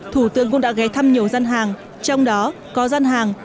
thủ tướng cũng đã ghé thăm nhiều gian hàng trong đó có gian hàng